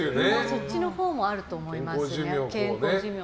そっちのほうもあると思いますね